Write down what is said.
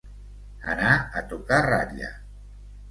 Anar a tocar ratlla.